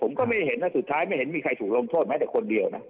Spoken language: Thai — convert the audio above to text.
ผมก็ไม่เห็นนะสุดท้ายไม่เห็นมีใครถูกลงโทษแม้แต่คนเดียวนะ